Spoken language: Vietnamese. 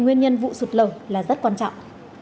nguyên nhân vụ sụt lẩu là rất quan trọng